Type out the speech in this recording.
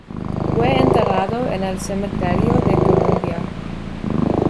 Fue enterrado en el cementerio de Columbia.